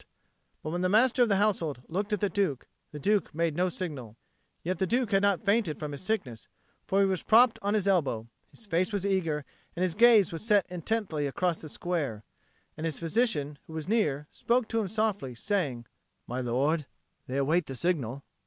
But when the Master of the Household looked at the Duke, the Duke made him no signal; yet the Duke had not fainted from his sickness, for he was propped on his elbow, his face was eager, and his gaze was set intently across the square; and his physician, who was near, spoke to him softly, saying, "My lord, they await the signal."